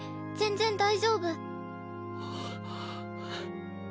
全然大丈夫